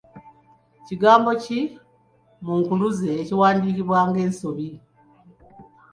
Kigambo ki mu nkuluze ekiwandiikibwa nga ensobi?